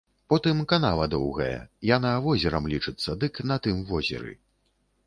Потым канава доўгая, яна возерам лічыцца, дык на тым возеры.